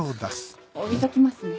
置いときますね。